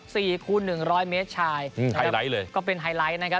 คูณหนึ่งร้อยเมตรชายอืมไฮไลท์เลยก็เป็นไฮไลท์นะครับ